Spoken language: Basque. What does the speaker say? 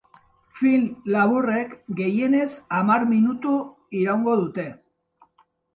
Film laburrek, gehienez, hamar minutu iraungo dute.